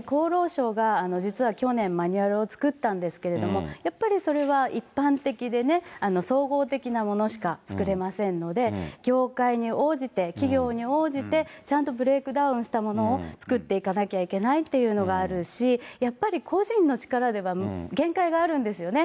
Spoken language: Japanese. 厚労省が実は去年マニュアルを作ったんですけれども、やっぱりそれは一般的で総合的なものしか作れませんので、業界に応じて、企業に応じて、ちゃんとブレークダウンしたものを作っていかなきゃいけないっていうのがあるし、やっぱり個人の力では限界があるんですよね。